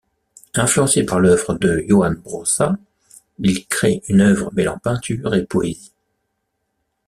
Influencé par l'œuvre de Joan Brossa, il crée une œuvre mêlant peinture et poésie.